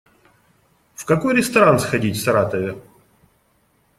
В какой ресторан сходить в Саратове?